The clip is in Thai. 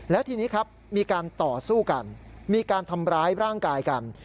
แล้วทีนี้ครับมีการต่อสู้กันมีการทำร้ายร่างกายกัน